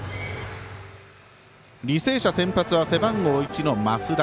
履正社、先発は背番号１の増田。